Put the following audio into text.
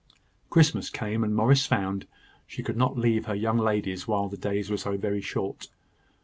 Christmas came; and Morris found she could not leave her young ladies while the days were so very short.